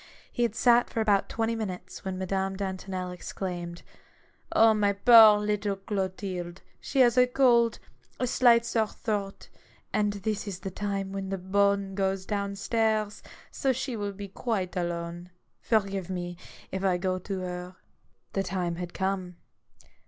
He had sat for about twenty minutes, when Madame Dantonel exclaimed :— "My poor little Clotilde ! She has a cold, a slight sore throat, and this is the time when the bonne goes down stairs, so she will be quite alone. Forgive me if I go to her." The time had come.